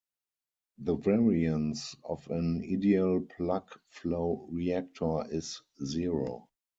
The variance of an ideal plug-flow reactor is zero.